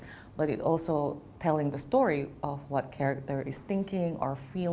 tapi juga menceritakan cerita tentang apa yang karakter pikirkan atau merasakan